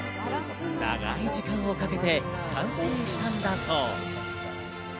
長い時間をかけて完成したんだそう。